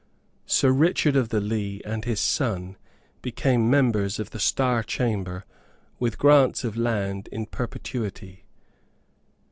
Sir Richard of the Lee and his son became members of the Star Chamber, with grants of land in perpetuity.